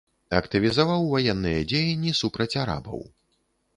Актывізаваў ваенныя дзеянні супраць арабаў.